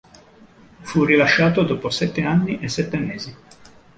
Fu rilasciato dopo sette anni e sette mesi.